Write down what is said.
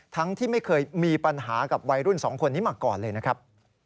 ที่ไม่เคยมีปัญหากับวัยรุ่นสองคนนี้มาก่อนเลยนะครับ